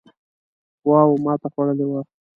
قواوو ماته خوړلې وه.